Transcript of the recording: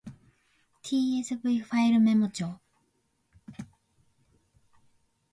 tsv ファイルメモ帳